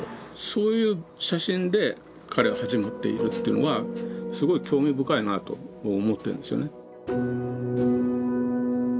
そういう写真で彼は始まっているというのはすごい興味深いなと思ってるんですよね。